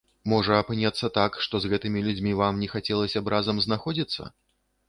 Можа апынецца так, што з гэтымі людзьмі вам не хацелася б разам знаходзіцца?